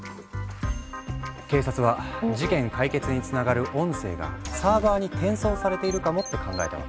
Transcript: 警察は事件解決につながる音声がサーバーに転送されているかもって考えたわけ。